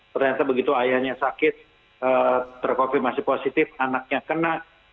ternyata begitu ayahnya sakit terkonfirmasi positif anaknya kena